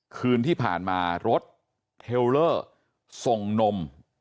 คืนที่ผ่านมารถเทลเลอร์ส่งนม